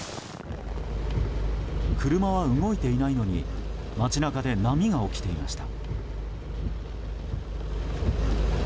車は動いていないのに街中で波が起きていました。